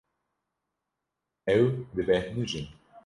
Ew dibêhnijin.